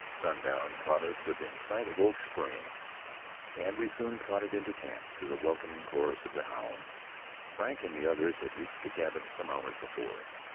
Sundown caught us within sight of Oak Spring, and we soon trotted into camp to the welcoming chorus of the hounds. Frank and the others had reached the cabin some hours before.